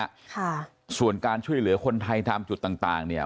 ค่ะส่วนการช่วยเหลือคนไทยตามจุดต่างต่างเนี้ย